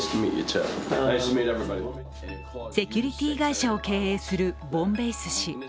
セキュリティー会社を経営するボムベイス氏。